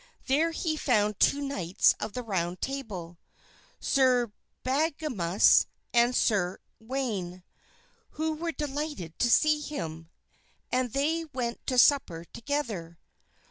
There he found two knights of the Round Table, Sir Badgemagus and Sir Uwaine, who were delighted to see him, and they went to supper together.